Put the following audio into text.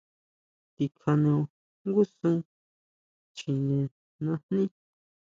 Tikjaneo jngu sún chjine najní.